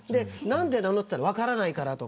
なんでなのと聞いたら分からないから。